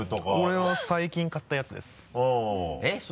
これは最近買ったやつです。